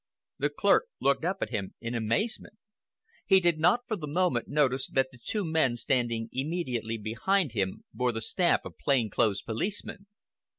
The clerk looked up at him in amazement. He did not, for the moment, notice that the two men standing immediately behind bore the stamp of plain clothes policemen.